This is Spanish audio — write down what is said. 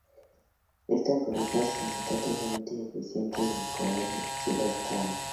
Este algoritmo es significativamente más eficiente que el de Cohen-Sutherland.